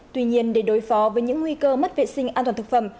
tuy nhiên để đối phó với những nguy cơ mất vệ sinh an toàn thực phẩm